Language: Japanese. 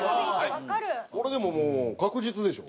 これでももう確実でしょ？